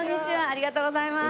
ありがとうございます。